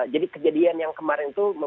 jadi kejadian yang kemarin itu